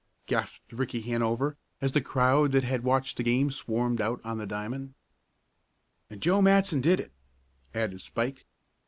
gasped Ricky Hanover, as the crowd that had watched the game swarmed out on the diamond. "And Joe Matson did it!" added Spike.